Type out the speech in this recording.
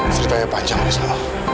ceritanya panjang rizmo